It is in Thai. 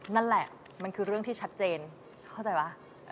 นั่นแหละมันคือเรื่องที่ชัดเจนเข้าใจป่ะ